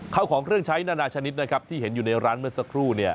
เข้าของเครื่องใช้นานาชนิดนะครับที่เห็นอยู่ในร้านเมื่อสักครู่เนี่ย